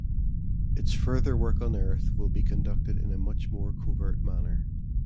Its further work on Earth will be conducted in a much more covert manner.